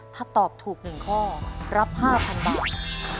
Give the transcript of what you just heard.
ถ้าตอบถูก๑ข้อรับ๕๐๐๐บาท